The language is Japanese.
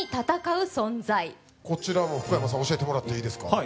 こちらも福山さん教えてもらっていいですか